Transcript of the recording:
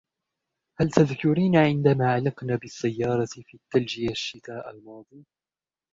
هل تذكرين عندما علقنا بالسيارة في الثلج الشتاء الماضي ؟